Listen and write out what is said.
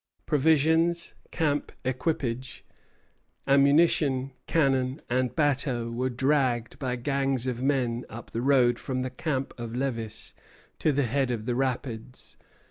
Provisions, camp equipage, ammunition, cannon, and bateaux were dragged by gangs of men up the road from the camp of Lévis to the head of the rapids.